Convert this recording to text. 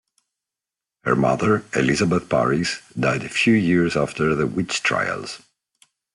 Her mother, Elizabeth Parris, died a few years after the witch trials.